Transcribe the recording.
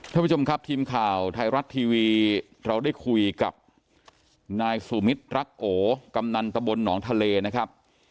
ท่านผู้ชมครับทีมข่าวไทยรัฐทีวีเราได้คุยกับนายสุมิตรรักโอกำนันตะบลหนองทะเลนะครับ